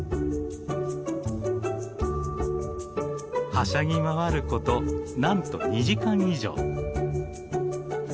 はしゃぎ回ることなんと２時間以上。